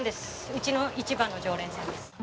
うちの一番の常連さんです。